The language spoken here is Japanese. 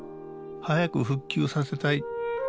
早く復旧させたい。